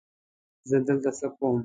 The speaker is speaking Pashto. زه دلته څه کوم؟